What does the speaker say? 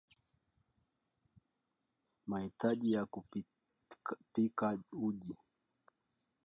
mahitaji ya kupika uji